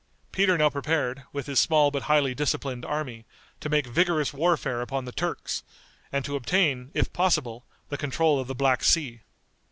Peter now prepared, with his small but highly disciplined army, to make vigorous warfare upon the Turks, and to obtain, if possible, the control of the Black Sea.